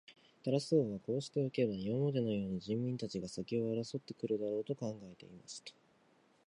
タラス王はこうしておけば、今までのように人民たちが先を争って来るだろう、と考えていました。